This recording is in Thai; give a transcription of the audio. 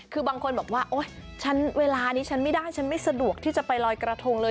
คือบางคนบอกว่าโอ๊ยฉันเวลานี้ฉันไม่ได้ฉันไม่สะดวกที่จะไปลอยกระทงเลย